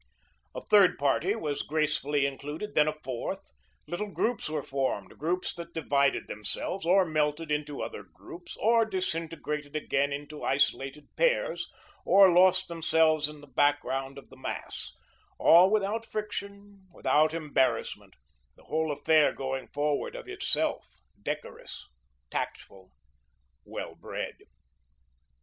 A third party was gracefully included, then a fourth. Little groups were formed, groups that divided themselves, or melted into other groups, or disintegrated again into isolated pairs, or lost themselves in the background of the mass, all without friction, without embarrassment, the whole affair going forward of itself, decorous, tactful, well bred.